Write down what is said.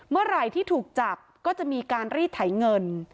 เมื่อไหร่ที่ถูกจับก็จะมีการรีดไถเงิน